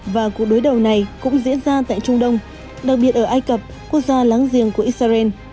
và cuộc đối đầu này cũng diễn ra tại trung đông đặc biệt ở ai cập quốc gia láng giềng của israel